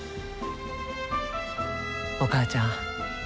お母ちゃん